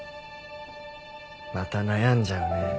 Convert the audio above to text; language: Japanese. また悩んじゃうね。